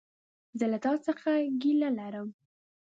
زه له تا څخه ګيله لرم!